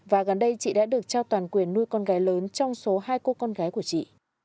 và gần đây chị đã được trao toàn quyền nuôi con gái lớn trong số hai cô con gái của chị